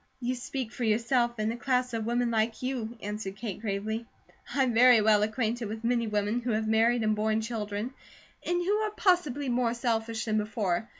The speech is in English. "You speak for yourself, and a class of women like you," answered Kate gravely. "I'm very well acquainted with many women who have married and borne children, and who are possibly more selfish than before.